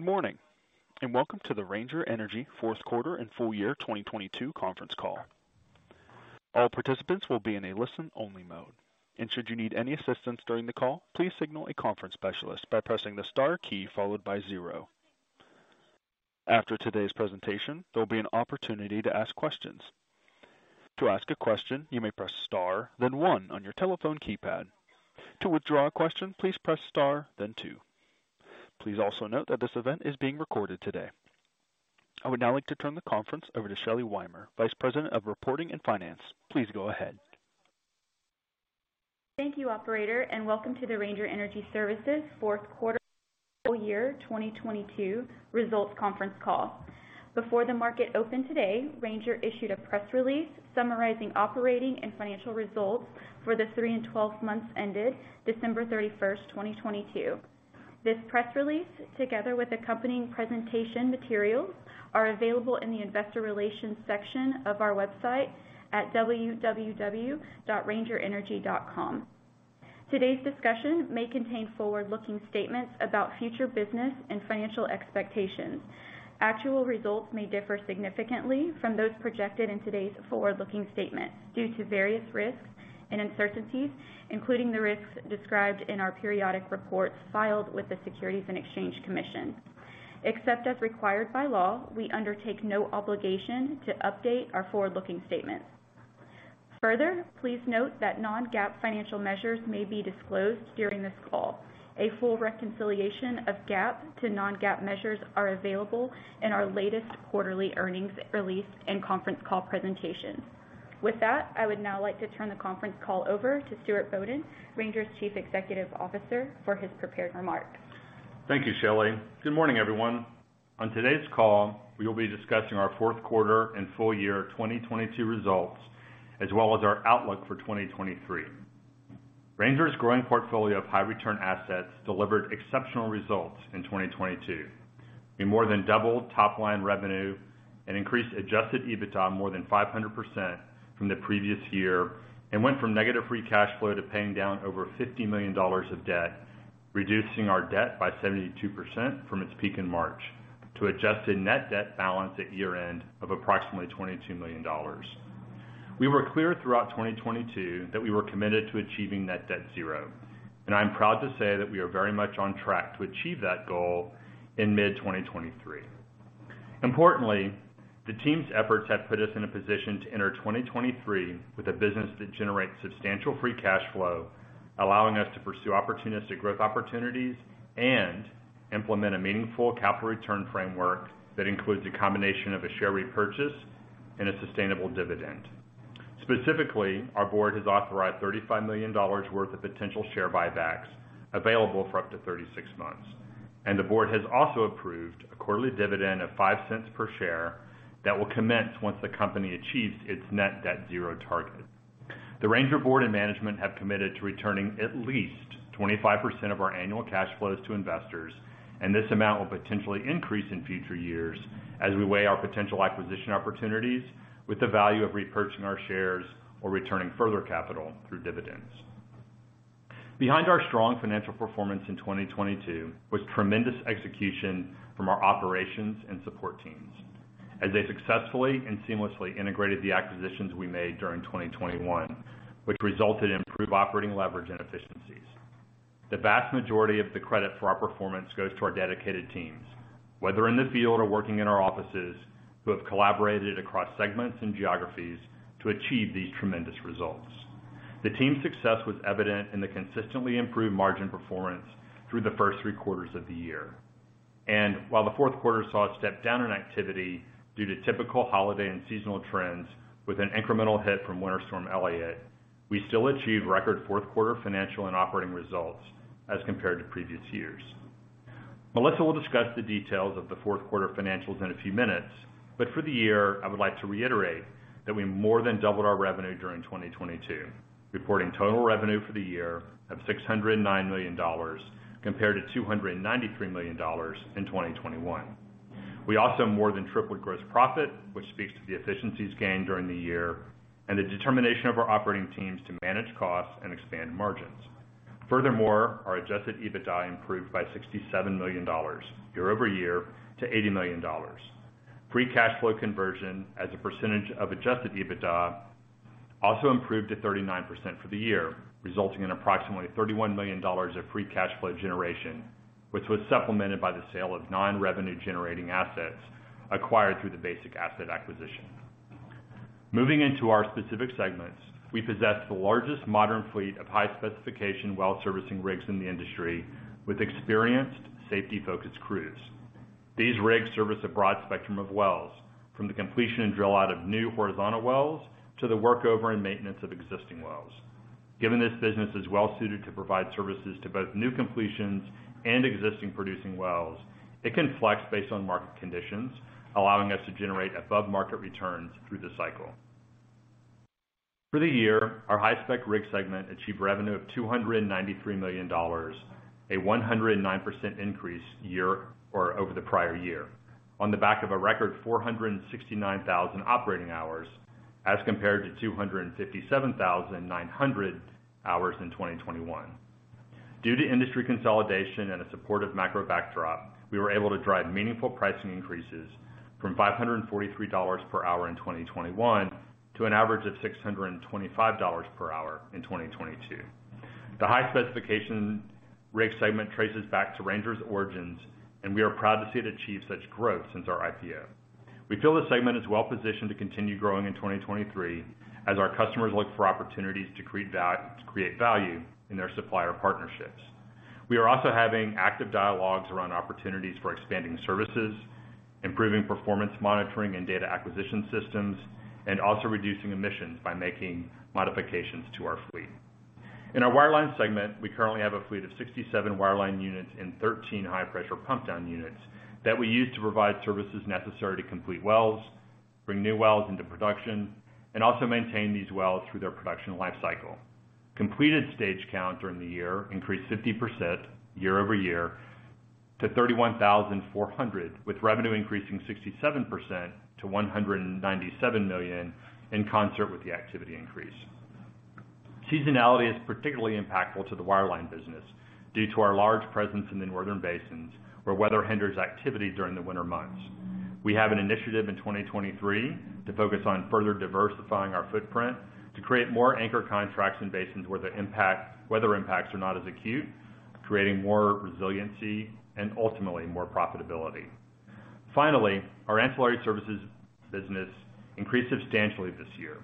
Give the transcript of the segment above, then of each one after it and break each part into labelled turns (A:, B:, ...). A: Good morning, welcome to the Ranger Energy fourth quarter and full year 2022 conference call. All participants will be in a listen-only mode. Should you need any assistance during the call, please signal a conference specialist by pressing the Star key followed by zero. After today's presentation, there'll be an opportunity to ask questions. To ask a question, you may press Star, then one on your telephone keypad. To withdraw a question, please press Star, then two. Please also note that this event is being recorded today. I would now like to turn the conference over to Shelley Weimer, Vice President of Reporting and Finance. Please go ahead.
B: Thank you, operator, welcome to the Ranger Energy Services fourth quarter, full year 2022 results conference call. Before the market opened today, Ranger issued a press release summarizing operating and financial results for the 3-months and 12-months ended December 31st, 2022. This press release, together with accompanying presentation materials, are available in the investor relations section of our website at www.rangerenergy.com. Today's discussion may contain forward-looking statements about future business and financial expectations. Actual results may differ significantly from those projected in today's forward-looking statement due to various risks and uncertainties, including the risks described in our periodic reports filed with the Securities and Exchange Commission. Except as required by law, we undertake no obligation to update our forward-looking statement. Further, please note that Non-GAAP financial measures may be disclosed during this call. A full reconciliation of GAAP to Non-GAAP measures are available in our latest quarterly earnings release and conference call presentation. With that, I would now like to turn the conference call over to Stuart Bodden, Ranger's Chief Executive Officer, for his prepared remarks.
C: Thank you, Shelley. Good morning, everyone. On today's call, we will be discussing our fourth quarter and full year 2022 results, as well as our outlook for 2023. Ranger's growing portfolio of high return assets delivered exceptional results in 2022. We more than doubled top line revenue and increased Adjusted EBITDA more than 500% from the previous year, and went from negative Free Cash Flow to paying down over $50 million of debt, reducing our debt by 72% from its peak in March to Adjusted Net Debt balance at year-end of approximately $22 million. We were clear throughout 2022 that we were committed to achieving net debt zero, and I'm proud to say that we are very much on track to achieve that goal in mid-2023. Importantly, the team's efforts have put us in a position to enter 2023 with a business that generates substantial Free Cash Flow, allowing us to pursue opportunistic growth opportunities and implement a meaningful capital return framework that includes a combination of a share repurchase and a sustainable dividend. Specifically, our board has authorized $35 million worth of potential share buybacks available for up to 36 months. The board has also approved a quarterly dividend of $0.05 per share that will commence once the company achieves its net debt zero target. The Ranger board and management have committed to returning at least 25% of our annual cash flows to investors, this amount will potentially increase in future years as we weigh our potential acquisition opportunities with the value of repurchasing our shares or returning further capital through dividends. Behind our strong financial performance in 2022 was tremendous execution from our operations and support teams as they successfully and seamlessly integrated the acquisitions we made during 2021, which resulted in improved operating leverage and efficiencies. The vast majority of the credit for our performance goes to our dedicated teams, whether in the field or working in our offices, who have collaborated across segments and geographies to achieve these tremendous results. The team's success was evident in the consistently improved margin performance through the first three quarters of the year. While the fourth quarter saw a step down in activity due to typical holiday and seasonal trends with an incremental hit from Winter Storm Elliott, we still achieved record fourth quarter financial and operating results as compared to previous years. Melissa will discuss the details of the fourth quarter financials in a few minutes. For the year, I would like to reiterate that we more than doubled our revenue during 2022, reporting total revenue for the year of $609 million compared to $293 million in 2021. We also more than tripled gross profit, which speaks to the efficiencies gained during the year and the determination of our operating teams to manage costs and expand margins. Furthermore, our Adjusted EBITDA improved by $67 million year-over-year to $80 million. Free Cash Flow conversion as a percentage of Adjusted EBITDA also improved to 39% for the year, resulting in approximately $31 million of Free Cash Flow generation, which was supplemented by the sale of non-revenue generating assets acquired through the Basic asset acquisition. Moving into our specific segments, we possess the largest modern fleet of high-specification well servicing rigs in the industry with experienced, safety-focused crews. These rigs service a broad spectrum of wells from the completion and drill out of new horizontal wells to the work over and maintenance of existing wells. Given this business is well suited to provide services to both new completions and existing producing wells, it can flex based on market conditions, allowing us to generate above market returns through the cycle. For the year, our high-spec rig segment achieved revenue of $293 million, a 109% increase year or over the prior year on the back of a record 469,000 operating hours. As compared to 257,900 hours in 2021. Due to industry consolidation and a supportive macro backdrop, we were able to drive meaningful pricing increases from $543 per hour in 2021 to an average of $625 per hour in 2022. The high-specification rig segment traces back to Ranger's origins, and we are proud to see it achieve such growth since our IPO. We feel the segment is well-positioned to continue growing in 2023 as our customers look for opportunities to create value in their supplier partnerships. We are also having active dialogues around opportunities for expanding services, improving performance monitoring and data acquisition systems, and also reducing emissions by making modifications to our fleet. In our wireline segment, we currently have a fleet of 67 wireline units and 13 high-pressure pump down units that we use to provide services necessary to complete wells, bring new wells into production, and also maintain these wells through their production lifecycle. Completed stage count during the year increased 50% year-over-year to 31,400, with revenue increasing 67% to $197 million in concert with the activity increase. Seasonality is particularly impactful to the wireline business due to our large presence in the northern basins, where weather hinders activity during the winter months. We have an initiative in 2023 to focus on further diversifying our footprint to create more anchor contracts in basins where weather impacts are not as acute, creating more resiliency and ultimately more profitability. Our ancillary services business increased substantially this year.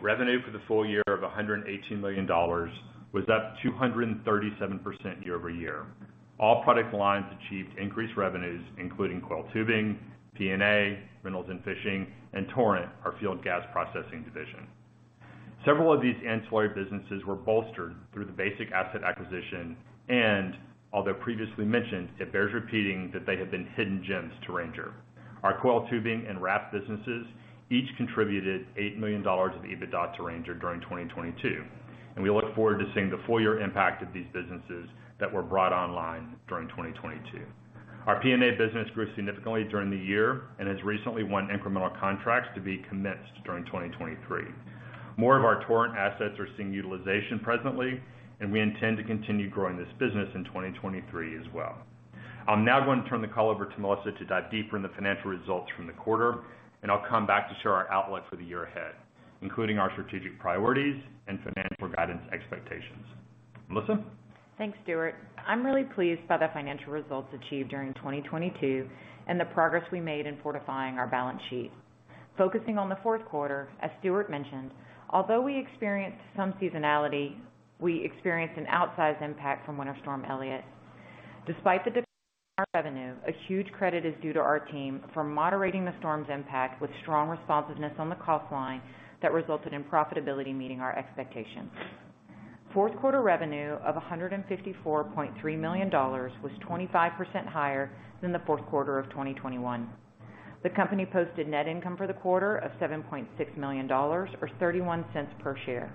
C: Revenue for the full year of $118 million was up 237% year-over-year. All product lines achieved increased revenues, including coiled tubing, P&A, rentals and fishing, and Torrent, our field gas processing division. Several of these ancillary businesses were bolstered through the Basic asset acquisition, and although previously mentioned, it bears repeating that they have been hidden gems to Ranger. Our coiled tubing and wrap businesses each contributed $8 million of EBITDA to Ranger during 2022, and we look forward to seeing the full year impact of these businesses that were brought online during 2022. Our P&A business grew significantly during the year and has recently won incremental contracts to be commenced during 2023. More of our Torrent assets are seeing utilization presently, and we intend to continue growing this business in 2023 as well. I'm now going to turn the call over to Melissa to dive deeper in the financial result from the quarter, and I'll come back to share our outlook for the year ahead, including our strategic priorities and financial guidance expectations. Melissa?
D: Thanks, Stuart. I'm really pleased by the financial results achieved during 2022 and the progress we made in fortifying our balance sheet. Focusing on the fourth quarter, as Stuart mentioned, although we experienced some seasonality, we experienced an outsized impact from Winter Storm Elliott. Despite the dip revenue, a huge credit is due to our team for moderating the storm's impact with strong responsiveness on the cost line that resulted in profitability meeting our expectations. Fourth quarter revenue of $154.3 million was 25% higher than the fourth quarter of 2021. The company posted net income for the quarter of $7.6 million or $0.31 per share.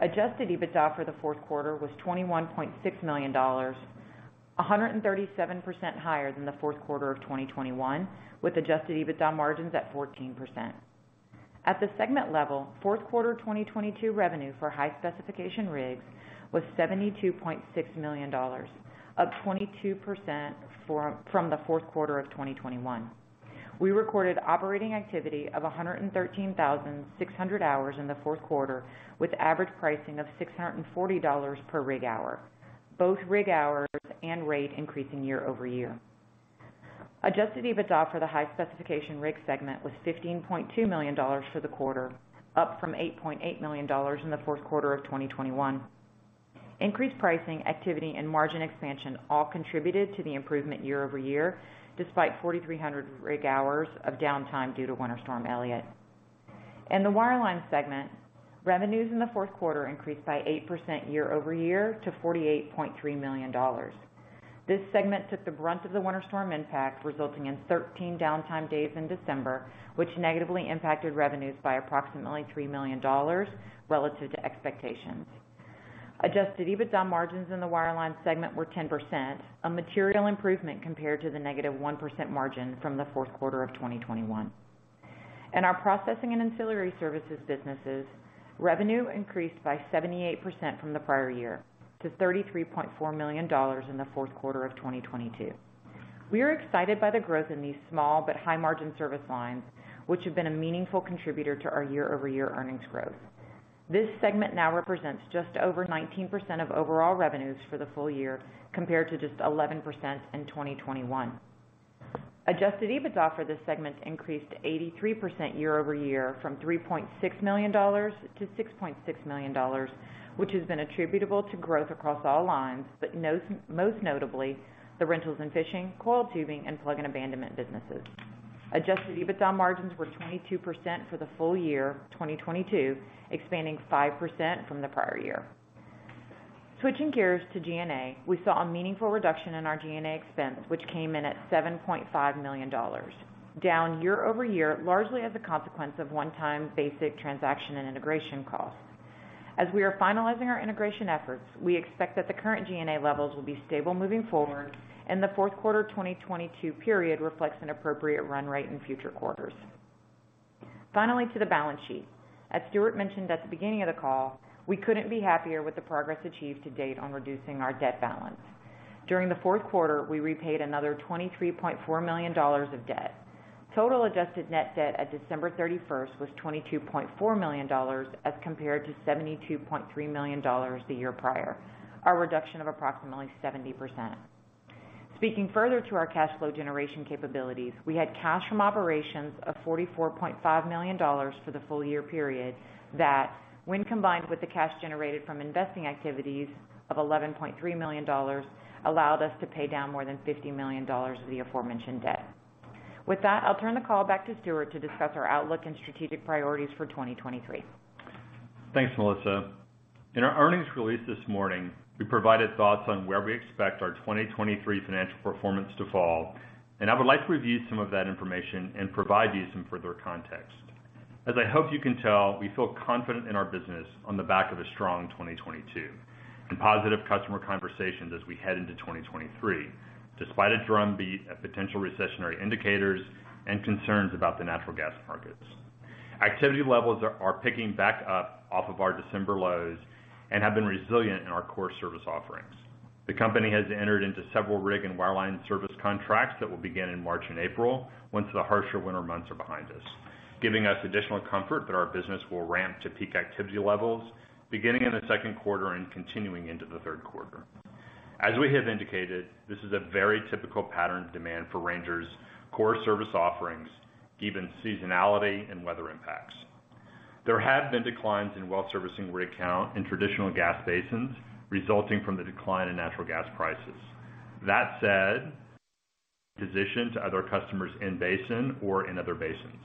D: Adjusted EBITDA for the fourth quarter was $21.6 million, 137% higher than the fourth quarter of 2021, with Adjusted EBITDA margins at 14%. At the segment level, fourth quarter 2022 revenue for high-specification rigs was $72.6 million, up 22% from the fourth quarter of 2021. We recorded operating activity of 113,600 hours in the fourth quarter, with average pricing of $640 per rig hour, both rig hours and rate increasing year-over-year. Adjusted EBITDA for the high-specification rig segment was $15.2 million for the quarter, up from $8.8 million in the fourth quarter of 2021. Increased pricing, activity, and margin expansion all contributed to the improvement year-over-year, despite 4,300 rig hours of downtime due to Winter Storm Elliott. In the wireline segment, revenues in the fourth quarter increased by 8% year-over-year to $48.3 million. This segment took the brunt of the winter storm impact, resulting in 13 downtime days in December, which negatively impacted revenues by approximately $3 million relative to expectations. Adjusted EBITDA margins in the wireline segment were 10%, a material improvement compared to the negative 1% margin from the fourth quarter of 2021. In our processing and ancillary services businesses, revenue increased by 78% from the prior year to $33.4 million in the fourth quarter of 2022. We are excited by the growth in these small but high-margin service lines, which have been a meaningful contributor to our year-over-year earnings growth. This segment now represents just over 19% of overall revenues for the full year, compared to just 11% in 2021. Adjusted EBITDA for this segment increased 83% year-over-year from $3.6 million-$6.6 million, which has been attributable to growth across all lines, but most notably the rentals and fishing, coiled tubing, and plug and abandonment businesses. Adjusted EBITDA margins were 22% for the full year 2022, expanding 5% from the prior year. Switching gears to G&A, we saw a meaningful reduction in our G&A expense, which came in at $7.5 million, down year-over-year, largely as a consequence of one-time Basic transaction and integration costs. As we are finalizing our integration efforts, we expect that the current G&A levels will be stable moving forward, and the fourth quarter 2022 period reflects an appropriate run rate in future quarters. Finally, to the balance sheet. As Stuart mentioned at the beginning of the call, we couldn't be happier with the progress achieved to date on reducing our debt balance. During the fourth quarter, we repaid another $23.4 million of debt. Total Adjusted Net Debt at December 31st was $22.4 million as compared to $72.3 million the year prior, a reduction of approximately 70%. Speaking further to our cash flow generation capabilities, we had cash from operations of $44.5 million for the full year period that when combined with the cash generated from investing activities of $11.3 million, allowed us to pay down more than $50 million of the aforementioned debt. With that, I'll turn the call back to Stuart to discuss our outlook and strategic priorities for 2023.
C: Thanks, Melissa. In our earnings release this morning, we provided thoughts on where we expect our 2023 financial performance to fall. I would like to review some of that information and provide you some further context. As I hope you can tell, we feel confident in our business on the back of a strong 2022 and positive customer conversations as we head into 2023, despite a drum beat of potential recessionary indicators and concerns about the natural gas markets. Activity levels are picking back up off of our December lows and have been resilient in our core service offerings. The company has entered into several rig and wireline service contracts that will begin in March and April once the harsher winter months are behind us, giving us additional comfort that our business will ramp to peak activity levels beginning in the second quarter and continuing into the third quarter. As we have indicated, this is a very typical pattern of demand for Ranger's core service offerings, given seasonality and weather impacts. There have been declines in well servicing rig count in traditional gas basins resulting from the decline in natural gas prices. That said, positions other customers in basin or in other basins.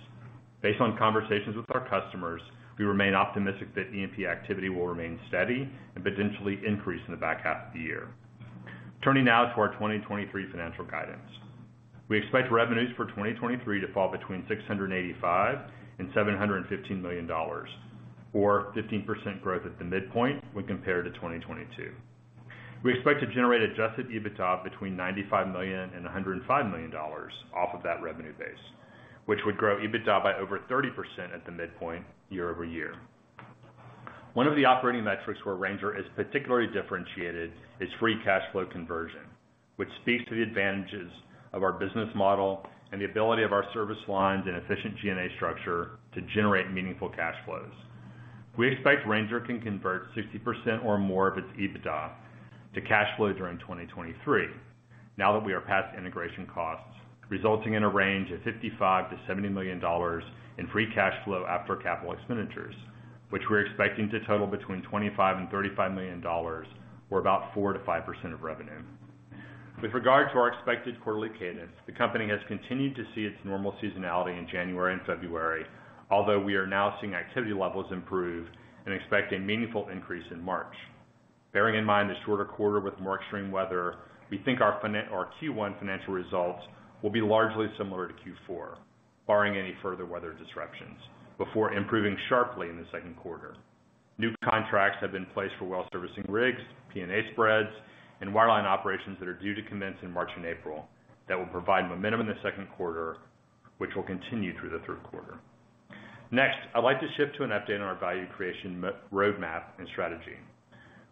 C: Based on conversations with our customers, we remain optimistic that E&P activity will remain steady and potentially increase in the back half of the year. Turning now to our 2023 financial guidance. We expect revenues for 2023 to fall between $685 million and $715 million or 15% growth at the midpoint when compared to 2022. We expect to generate Adjusted EBITDA between $95 million and $105 million off of that revenue base, which would grow EBITDA by over 30% at the midpoint year-over-year. One of the operating metrics where Ranger is particularly differentiated is Free Cash Flow conversion, which speaks to the advantages of our business model and the ability of our service lines and efficient G&A structure to generate meaningful cash flows. We expect Ranger can convert 60% or more of its EBITDA to cash flow during 2023 now that we are past integration costs, resulting in a range of $55 million-$70 million in Free Cash Flow after capital expenditures, which we're expecting to total between $25 million and $35 million, or about 4%-5% of revenue. With regard to our expected quarterly cadence, the company has continued to see its normal seasonality in January and February, although we are now seeing activity levels improve and expect a meaningful increase in March. Bearing in mind the shorter quarter with more extreme weather, we think our Q1 financial results will be largely similar to Q4, barring any further weather disruptions, before improving sharply in the second quarter. New contracts have been placed for well servicing rigs, P&A spreads, and wireline operations that are due to commence in March and April that will provide momentum in the second quarter, which will continue through the third quarter. Next, I'd like to shift to an update on our value creation roadmap and strategy.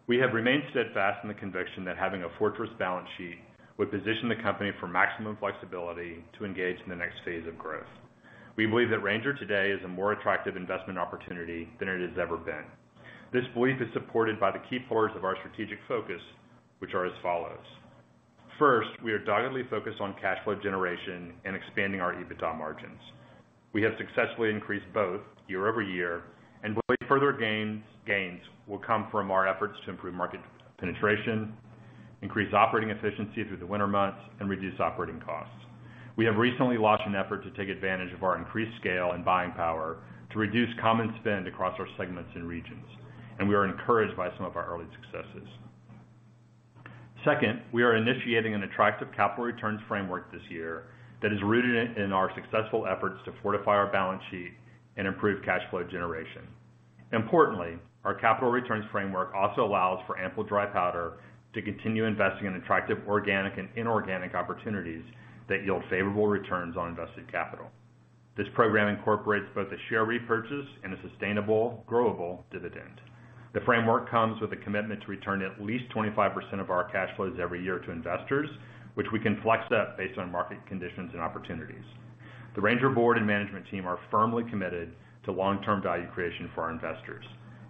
C: We have remained steadfast in the conviction that having a fortress balance sheet would position the company for maximum flexibility to engage in the next phase of growth. We believe that Ranger today is a more attractive investment opportunity than it has ever been. This belief is supported by the key pillars of our strategic focus, which are as follows. First, we are doggedly focused on cash flow generation and expanding our EBITDA margins. We have successfully increased both year-over-year and believe further gains will come from our efforts to improve market penetration, increase operating efficiency through the winter months, and reduce operating costs. We have recently launched an effort to take advantage of our increased scale and buying power to reduce common spend across our segments and regions, and we are encouraged by some of our early successes. Second, we are initiating an attractive capital returns framework this year that is rooted in our successful efforts to fortify our balance sheet and improve cash flow generation. Importantly, our capital returns framework also allows for ample dry powder to continue investing in attractive organic and inorganic opportunities that yield favorable returns on invested capital. This program incorporates both a share repurchase and a sustainable growable dividend. The framework comes with a commitment to return at least 25% of our cash flows every year to investors, which we can flex up based on market conditions and opportunities. The Ranger board and management team are firmly committed to long-term value creation for our investors,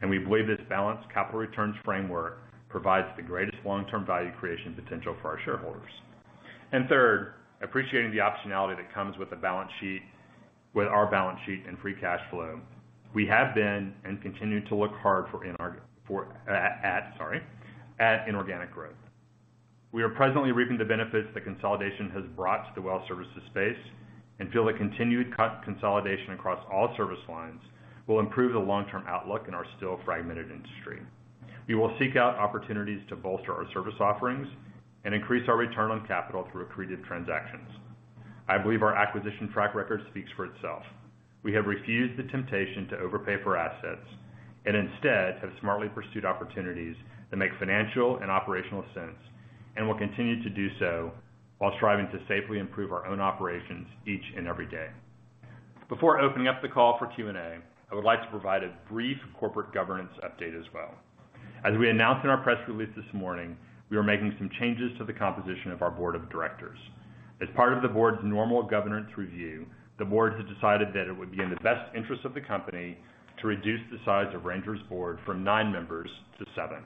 C: we believe this balanced capital returns framework provides the greatest long-term value creation potential for our shareholders. Third, appreciating the optionality that comes with our balance sheet and Free Cash Flow, we have been and continue to look hard at, sorry, at inorganic growth. We are presently reaping the benefits that consolidation has brought to the well services space and feel that continued co-consolidation across all service lines will improve the long-term outlook in our still fragmented industry. We will seek out opportunities to bolster our service offerings and increase our return on capital through accretive transactions. I believe our acquisition track record speaks for itself. We have refused the temptation to overpay for assets and instead have smartly pursued opportunities that make financial and operational sense and will continue to do so while striving to safely improve our own operations each and every day. Before opening up the call for Q&A, I would like to provide a brief corporate governance update as well. As we announced in our press release this morning, we are making some changes to the composition of our board of directors. As part of the board's normal governance review, the board has decided that it would be in the best interest of the company to reduce the size of Ranger's board from nine members to seven.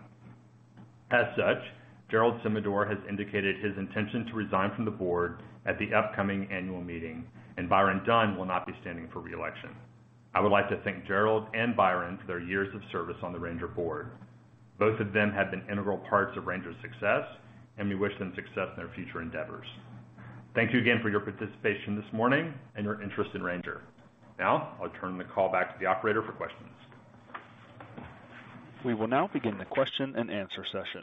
C: As such, Gerald Cimador has indicated his intention to resign from the board at the upcoming annual meeting, Byron Dunn will not be standing for re-election. I would like to thank Gerald and Byron for their years of service on the Ranger board. Both of them have been integral parts of Ranger's success, We wish them success in their future endeavors. Thank you again for your participation this morning and your interest in Ranger. Now, I'll turn the call back to the operator for questions.
A: We will now begin the question-and-answer session.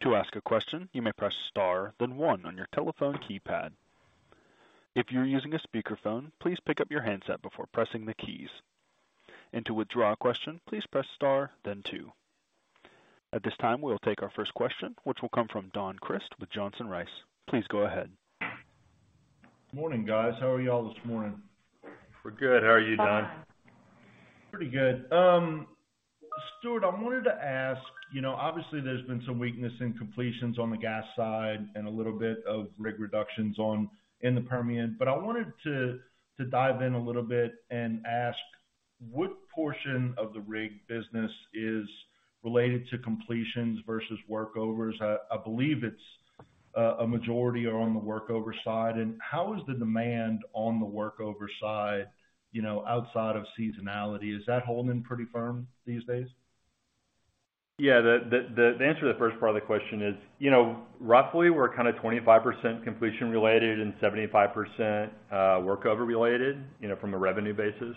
A: To ask a question, you may press star, then one on your telephone keypad. If you're using a speakerphone, please pick up your handset before pressing the keys. To withdraw a question, please press star then two. At this time, we'll take our first question, which will come from Don Crist with Johnson Rice. Please go ahead.
E: Morning, guys. How are y'all this morning?
C: We're good. How are you, Don?
D: Fine.
E: Pretty good. Stuart, I wanted to ask, you know, obviously, there's been some weakness in completions on the gas side and a little bit of rig reductions in the Permian. I wanted to dive in a little bit and ask what portion of the rig business is related to completions versus workovers? I believe it's a majority are on the workover side. How is the demand on the workover side, you know, outside of seasonality? Is that holding pretty firm these days?
C: Yeah. The answer to the first part of the question is, you know, roughly, we're kind of 25% completion related and 75% workover related, you know, from a revenue basis.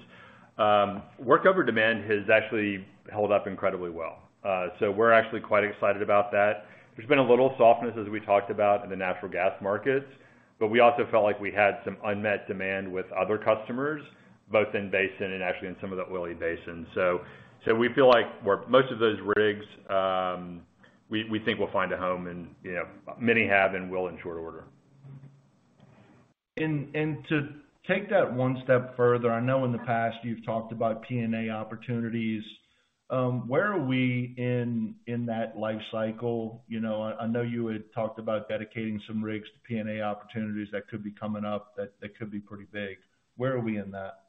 C: Workover demand has actually held up incredibly well. We're actually quite excited about that. There's been a little softness, as we talked about, in the natural gas markets, we also felt like we had some unmet demand with other customers, both in basin and actually in some of the oily basins. We feel like most of those rigs, we think will find a home, and, you know, many have and will in short order.
E: To take that one step further, I know in the past you've talked about P&A opportunities. Where are we in that life cycle? You know, I know you had talked about dedicating some rigs to P&A opportunities that could be coming up that could be pretty big. Where are we in that?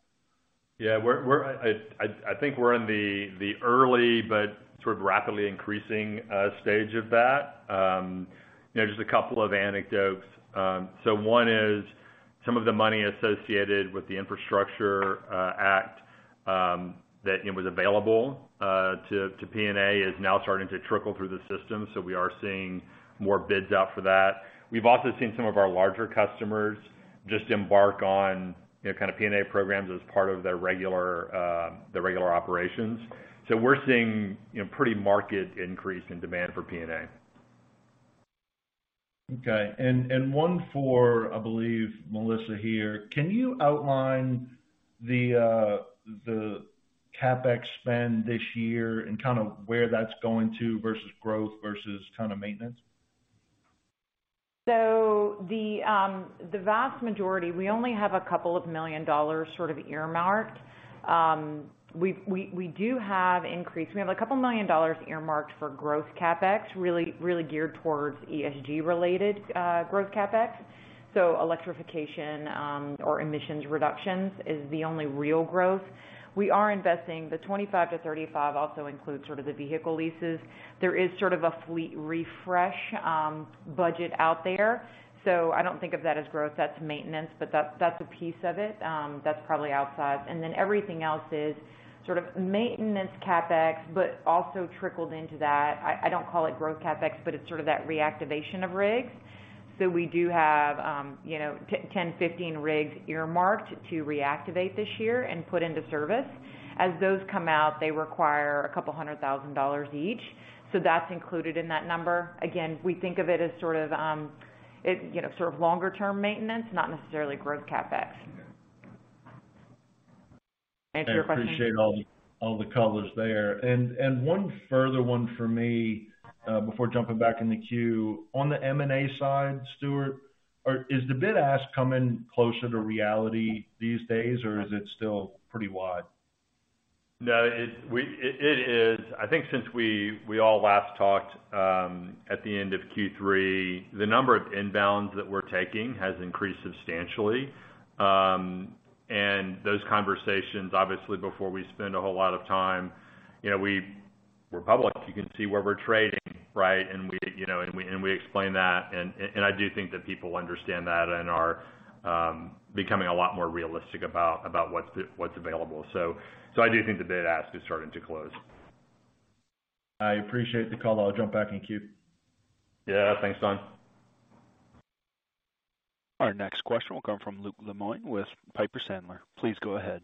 C: Yeah, I think we're in the early but sort of rapidly increasing stage of that. You know, just a couple of anecdotes. One is some of the money associated with the Infrastructure Act that, you know, was available to P&A is now starting to trickle through the system, so we are seeing more bids out for that. We've also seen some of our larger customers just embark on, you know, kind of P&A programs as part of their regular operations. We're seeing, you know, pretty market increase in demand for P&A.
E: Okay. One for, I believe, Melissa here. Can you outline the CapEx spend this year and kind of where that's going to versus growth versus kind of maintenance?
D: The vast majority, we only have $2 million sort of earmarked. We do have increase. We have $2 million earmarked for growth CapEx, really geared towards ESG-related growth CapEx. Electrification, or emissions reductions is the only real growth. The $25 million-$35 million also includes sort of the vehicle leases. There is sort of a fleet refresh budget out there. I don't think of that as growth, that's maintenance, but that's a piece of it that's probably outside. Everything else is sort of maintenance CapEx, but also trickled into that, I don't call it growth CapEx, but it's sort of that reactivation of rigs. We do have, you know, 10-15 rigs earmarked to reactivate this year and put into service. As those come out, they require a couple hundred thousand dollars each. That's included in that number. Again, we think of it as sort of, you know, sort of longer-term maintenance, not necessarily growth CapEx.
E: Yeah.
D: Answered your question?
E: I appreciate all the colors there. One further one for me, before jumping back in the queue. On the M&A side, Stuart, is the bid ask coming closer to reality these days, or is it still pretty wide?
C: No, it is. I think since we all last talked, at the end of Q3, the number of inbounds that we're taking has increased substantially. Those conversations, obviously, before we spend a whole lot of time, you know, we're public, you can see where we're trading, right? We, you know, and we explain that. I do think that people understand that and are becoming a lot more realistic about what's available. I do think the bid ask is starting to close.
E: I appreciate the call. I'll jump back in queue.
C: Yeah. Thanks, Don.
A: Our next question will come from Luke Lemoine with Piper Sandler. Please go ahead.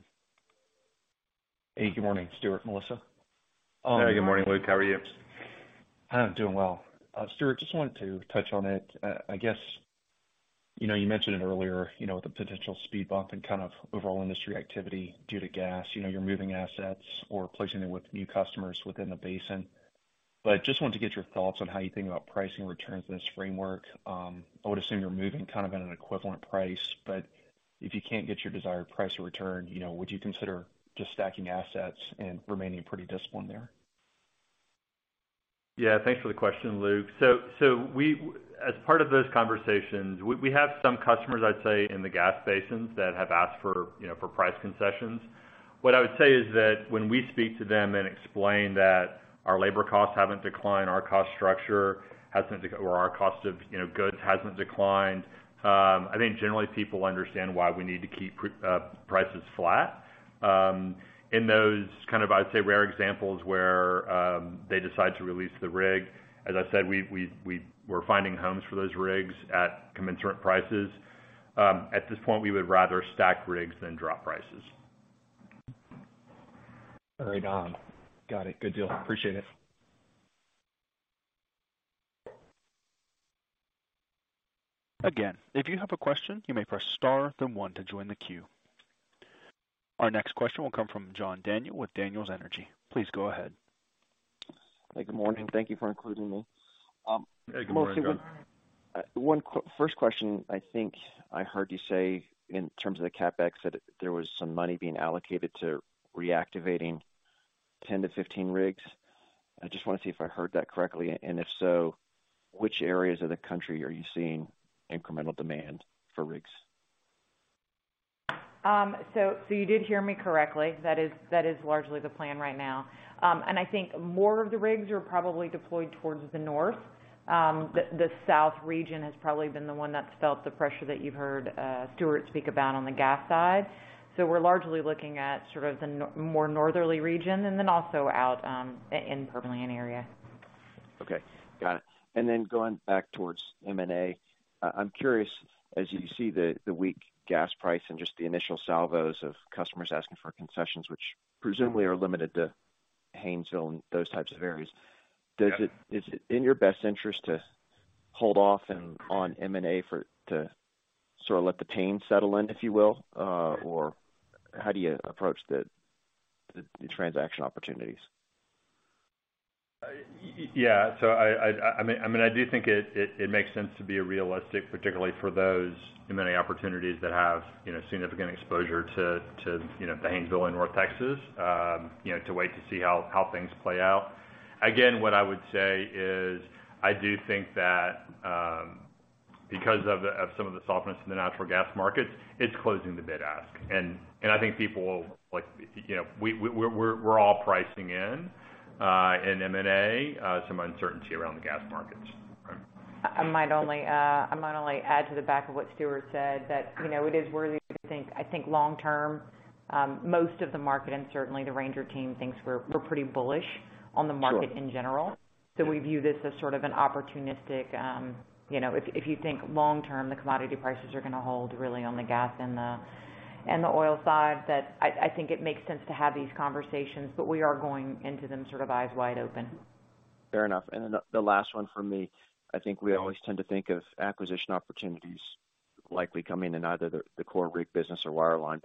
F: Hey, good morning, Stuart, Melissa.
C: Hey, good morning, Luke. How are you?
F: I'm doing well. Stuart, just wanted to touch on it. I guess, you know, you mentioned it earlier, you know, the potential speed bump and kind of overall industry activity due to gas. You know, you're moving assets or placing them with new customers within the basin. Just wanted to get your thoughts on how you think about pricing returns in this framework. I would assume you're moving kind of at an equivalent price, but if you can't get your desired price or return, you know, would you consider just stacking assets and remaining pretty disciplined there?
C: Thanks for the question, Luke. As part of those conversations, we have some customers, I'd say, in the gas basins that have asked for, you know, for price concessions. What I would say is that when we speak to them and explain that our labor costs haven't declined, our cost structure hasn't or our cost of, you know, goods hasn't declined, I think generally people understand why we need to keep prices flat. In those kind of, I'd say, rare examples where they decide to release the rig, as I said, we're finding homes for those rigs at commensurate prices. At this point, we would rather stack rigs than drop prices.
F: Right on. Got it. Good deal. Appreciate it.
A: If you have a question, you may press star then one to join the queue. Our next question will come from John Daniel with Daniel Energy Partners. Please go ahead.
G: Hey, good morning. Thank you for including me.
C: Hey, good morning, John.
G: Melissa, one first question, I think I heard you say in terms of the CapEx that there was some money being allocated to reactivating 10-15 rigs. I just wanna see if I heard that correctly. If so, which areas of the country are you seeing incremental demand for rigs?
D: You did hear me correctly. That is largely the plan right now. I think more of the rigs are probably deployed towards the north. The south region has probably been the one that's felt the pressure that you've heard Stuart speak about on the gas side. We're largely looking at sort of the more northerly region and then also out in Permian area.
G: Okay. Got it. Then going back towards M&A, I'm curious, as you see the weak gas price and just the initial salvos of customers asking for concessions, which presumably are limited to Haynesville and those types of areas.
C: Yeah.
G: Is it in your best interest to hold off and on M&A for, to sort of let the pain settle in, if you will? How do you approach the transaction opportunities?
C: Yeah. I mean, I do think it makes sense to be realistic, particularly for those M&A opportunities that have, you know, significant exposure to, you know, the Haynesville in North Texas, you know, to wait to see how things play out. Again, what I would say is, I do think that, because of some of the softness in the natural gas markets, it's closing the bid ask, and I think people like, you know, we're all pricing in M&A, some uncertainty around the gas markets.
G: Okay.
D: I might only add to the back of what Stuart said, that, you know, it is worthy to think, I think long term, most of the market and certainly the Ranger team thinks we're pretty bullish on the market.
G: Sure.
D: in general. We view this as sort of an opportunistic, you know, if you think long term, the commodity prices are going to hold really on the gas and the oil side, that I think it makes sense to have these conversations, but we are going into them sort of eyes wide open.
G: Fair enough. The last one from me. I think we always tend to think of acquisition opportunities likely coming in either the core rig business or wireline.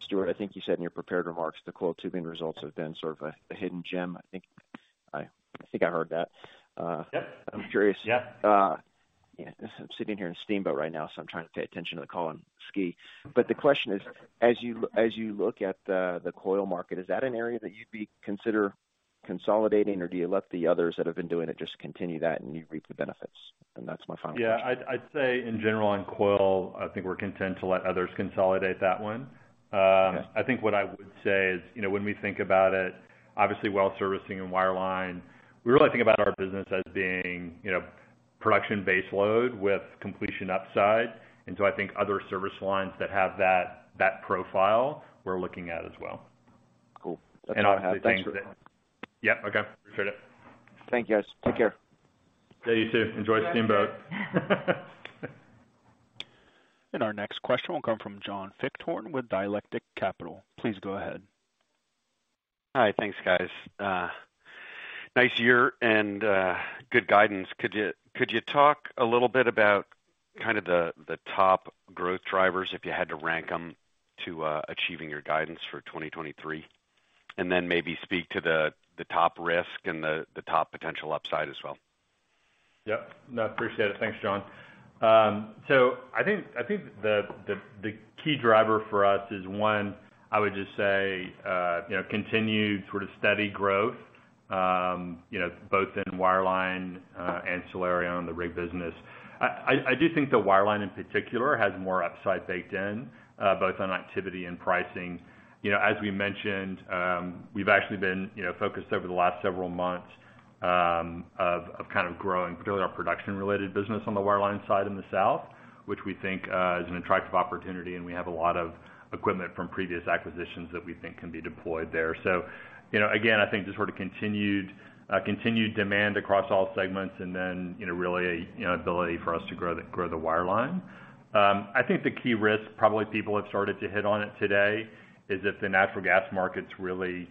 G: Stuart, I think you said in your prepared remarks, the coiled tubing results have been sort of a hidden gem. I think I heard that.
C: Yep.
G: I'm curious.
C: Yeah.
G: Yeah, I'm sitting here in Steamboat right now, so I'm trying to pay attention to the call on ski. The question is, as you look at the coil market, is that an area that you'd be consider consolidating, or do you let the others that have been doing it just continue that and you reap the benefits? That's my final question.
C: Yeah. I'd say in general on coil, I think we're content to let others consolidate that one.
G: Okay.
C: I think what I would say is, you know, when we think about it, obviously, well servicing and wireline, we really think about our business as being, you know, production baseload with completion upside. I think other service lines that have that profile we're looking at as well.
G: Cool. That's all I have.
C: I think.
G: Thanks for the time.
C: Yeah. Okay. Appreciate it.
G: Thank you, guys. Take care.
C: Yeah, you too. Enjoy Steamboat.
A: Our next question will come from John Fichthorn with Dialectic Capital. Please go ahead.
H: Hi. Thanks, guys. nice year and good guidance. Could you talk a little bit about kind of the top growth drivers, if you had to rank them to achieving your guidance for 2023? Then maybe speak to the top risk and the top potential upside as well.
C: Yep. No, appreciate it. Thanks, John. I think the, the key driver for us is, one, I would just say, you know, continued sort of steady growth. You know, both in wireline, ancillary on the rig business. I do think the wireline in particular has more upside baked in, both on activity and pricing. You know, as we mentioned, we've actually been, you know, focused over the last several months of kind of growing particularly our production-related business on the wireline side in the south, which we think is an attractive opportunity, and we have a lot of equipment from previous acquisitions that we think can be deployed there. You know, again, I think the sort of continued demand across all segments and then, you know, really a, you know, ability for us to grow the wireline. I think the key risk probably people have started to hit on it today is if the natural gas markets really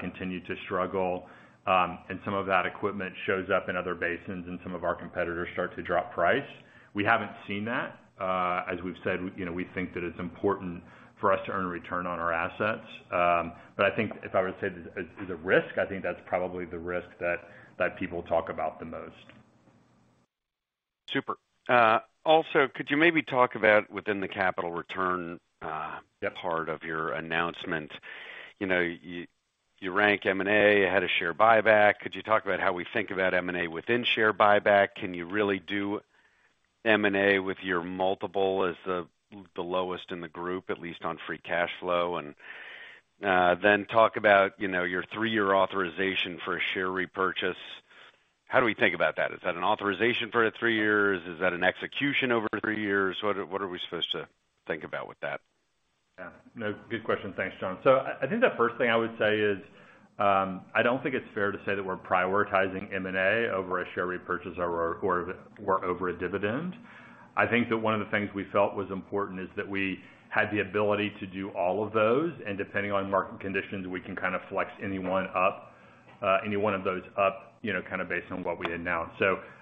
C: continue to struggle and some of that equipment shows up in other basins and some of our competitors start to drop price. We haven't seen that. As we've said, you know, we think that it's important for us to earn a return on our assets. I think if I were to say the risk, I think that's probably the risk that people talk about the most.
H: Super. Also, could you maybe talk about within the capital return?
C: Yeah...
H: part of your announcement. You know, you rank M&A ahead of share buyback. Could you talk about how we think about M&A within share buyback? Can you really do M&A with your multiple as the lowest in the group, at least on Free Cash Flow? Then talk about, you know, your 3-year authorization for a share repurchase. How do we think about that? Is that an authorization for 3-years? Is that an execution over 3-years? What are we supposed to think about with that?
C: Yeah. No, good question. Thanks, John. I think the first thing I would say is, I don't think it's fair to say that we're prioritizing M&A over a share repurchase or over a dividend. I think that one of the things we felt was important is that we had the ability to do all of those, and depending on market conditions, we can kind of flex any one up, any one of those up, you know, kind of based on what we announce.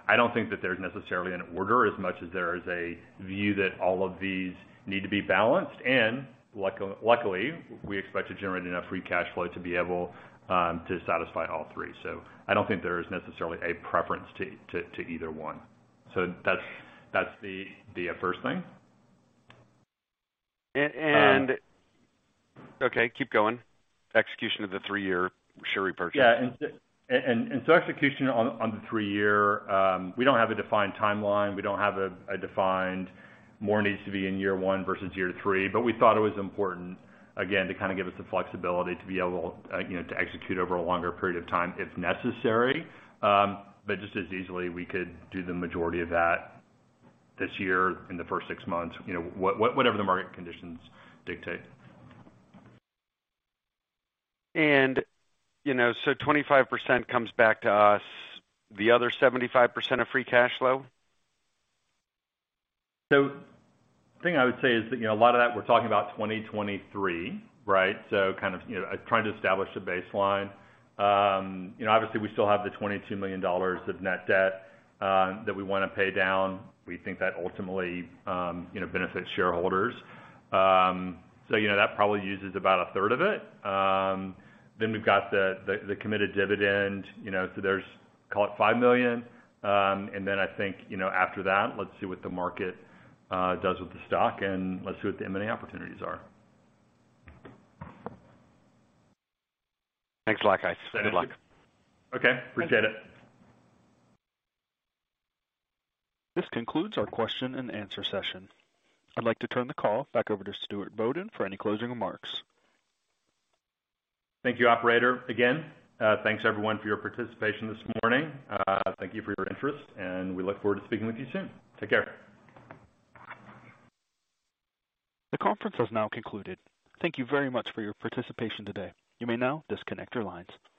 C: I don't think that there's necessarily an order as much as there is a view that all of these need to be balanced. Luckily, we expect to generate enough Free Cash Flow to be able to satisfy all three. I don't think there is necessarily a preference to either one. That's the, first thing.
H: And-
C: Um.
H: Okay, keep going. Execution of the three-year share repurchase.
C: Yeah. Execution on the three year, we don't have a defined timeline. We don't have a defined more needs to be in year 1 versus year 3, but we thought it was important, again, to kind of give us the flexibility to be able, you know, to execute over a longer period of time, if necessary. Just as easily, we could do the majority of that this year in the first six months, you know, whatever the market conditions dictate.
H: You know, 25% comes back to us, the other 75% of Free Cash Flow?
C: The thing I would say is that, you know, a lot of that, we're talking about 2023, right? kind of, you know, trying to establish a baseline. you know, obviously, we still have the $22 million of net debt that we wanna pay down. We think that ultimately, you know, benefits shareholders. you know, that probably uses about a third of it. We've got the committed dividend, you know, so there's, call it $5 million. I think, you know, after that, let's see what the market does with the stock, and let's see what the M&A opportunities are.
H: Thanks a lot, guys. Good luck.
C: Okay. Appreciate it.
A: This concludes our question and answer session. I'd like to turn the call back over to Stuart Bodden for any closing remarks.
C: Thank you, operator. Thanks everyone for your participation this morning. Thank you for your interest. We look forward to speaking with you soon. Take care.
A: The conference has now concluded. Thank you very much for your participation today. You may now disconnect your lines.